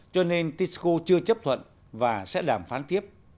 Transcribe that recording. cho nên tisco chưa chấp thuận và sẽ làm phán tiếp